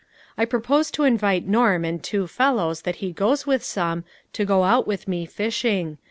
I propose to invite Norm and two fellows that he goes with some, to go out with me, fishing.